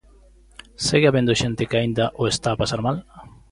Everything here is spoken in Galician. ¿Segue habendo xente que aínda o está a pasar mal?